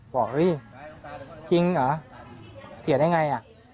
บอกเฮ้ยจริงเหรอเสียได้ไงอ่ะ